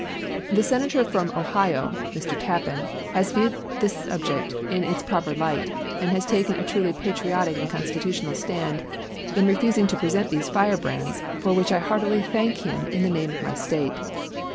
The Senator from Ohio [Mr. Tappan] has viewed this subject in its proper light, and has taken a truly patriotic and constitutional stand in refusing to present these firebrands, for which I heartily thank him in the name of my State.